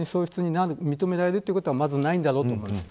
認められるということもないだろうと思います。